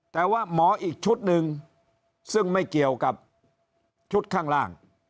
แต่ว่าหมออีกชุดหนึ่งซึ่งไม่เกี่ยวกับชุดข้างล่าง